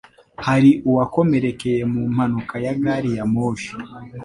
Hari uwakomerekeye mu mpanuka ya gari ya moshi?